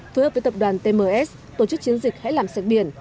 phối hợp với tập đoàn tms tổ chức chiến dịch hãy làm sạch biển